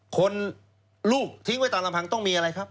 คนลูกทิ้งไว้ตามลำพังต้องมีอะไรครับ